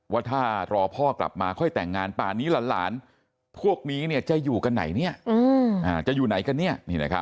ว่าถ้ารอพ่อกลับมาค่อยแต่งงานป่านี้หลานพวกนี้จะอยู่กันไหนจะอยู่ไหนกันเนี่ย